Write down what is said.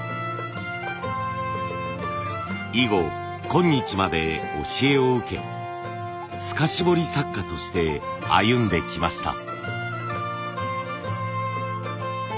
以後今日まで教えを受け透かし彫り作家として歩んできました。